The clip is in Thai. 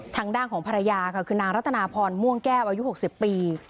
ทางด้านของภรรยาค่ะคือนางรัตนาพรม่วงแก้วอายุ๖๐ปี